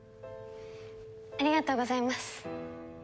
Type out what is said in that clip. ありがとうございます。